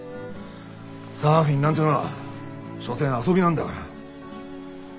サーフィンなんてのは所詮遊びなんだから。